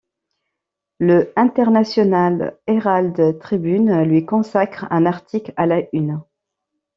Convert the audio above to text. Le International Herald Tribune lui consacre un article à la Une.